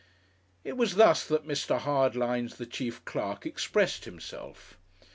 It was thus that Mr. Hardlines, the chief clerk, expressed himself.